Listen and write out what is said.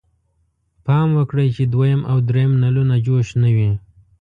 پام وکړئ چې دویم او دریم نلونه جوش نه وي.